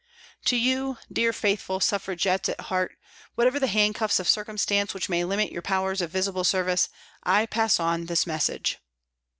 To you, dear, faithful Suffragettes at heart, whatever the handcuffs of circumstance which may limit your powers of visible service, I pass on this message.